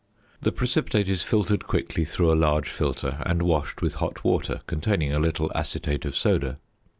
The precipitate is filtered quickly through a large filter, and washed with hot water containing a little acetate of soda.